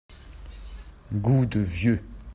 Goût de vieux.